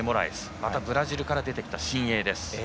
またブラジルから出てきた新鋭です。